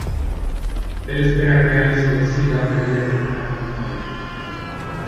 Él espera que Alice lo siga, pero ella termina por no ir.